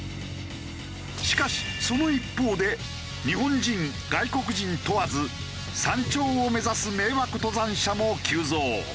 しかしその一方で日本人外国人問わず山頂を目指す迷惑登山者も急増。